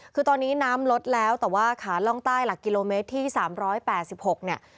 คือตอนนี้น้ำลดแล้วแต่ว่าขาดล่องใต้หลักกิโลเมตรที่สามร้อยแปดสิบหกเนี่ย